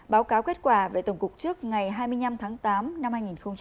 báo cáo kết quả về tổng cục trước ngày hai mươi năm tháng tám năm hai nghìn hai mươi